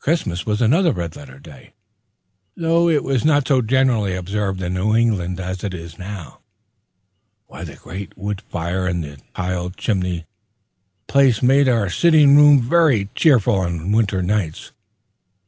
Christmas was another red letter day, though it was not so generally observed in New England as it is now. The great wood fire in the tiled chimney place made our sitting room very cheerful of winter nights.